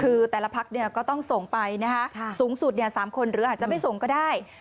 คือแต่ละพักก็ต้องส่งไปนะคะสูงสุด๓คนหรืออาจจะไม่ส่งก็ได้